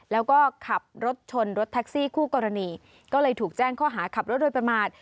แล้วก็ขับรถชนรถแท็กซี่คู่กรณีก็เลยถูกแจ้งข้อหาขับรถโดยประมาท